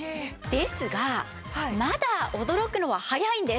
ですがまだ驚くのは早いんです。